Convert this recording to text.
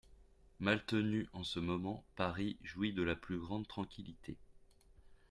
Maltenu En ce moment, Paris jouit de la plus grande tranquillité…